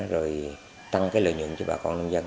rồi tăng cái lợi nhuận cho bà con nông dân